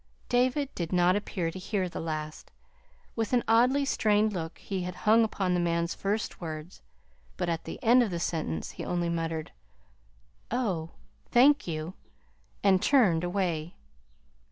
David did not appear to hear the last. With an oddly strained look he had hung upon the man's first words; but at the end of the sentence he only murmured, "Oh, thank you," and turned away.